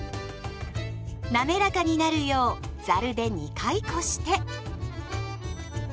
なめらかになるようざるで２回こして。